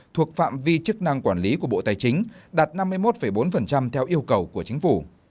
thuộc phạm vi chức năng quản lý của bộ tài chính đạt năm mươi một bốn theo yêu cầu của chính phủ